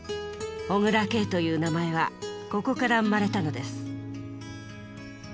小椋佳という名前はここから生まれたのです。